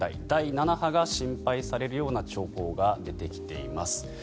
第７波が心配されるような兆候が出てきています。